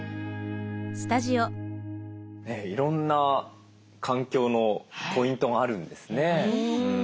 いろんな環境のポイントがあるんですね。